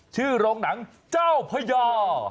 ชื่อโรงหนังเจ้าพญา